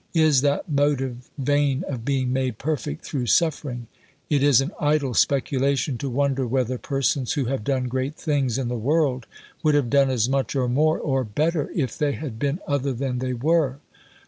Is that motive vain of being made perfect through suffering?" It is an idle speculation to wonder whether persons who have done great things in the world would have done as much or more or better if they had been other than they were.